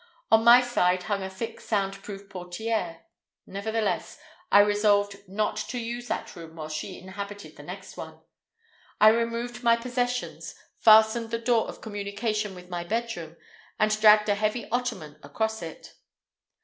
On my side hung a thick sound proof portière. Nevertheless, I resolved not to use that room while she inhabited the next one. I removed my possessions, fastened the door of communication with my bedroom, and dragged a heavy ottoman across it.